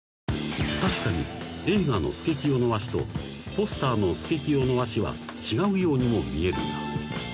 ［確かに映画のスケキヨの足とポスターのスケキヨの足は違うようにも見えるが］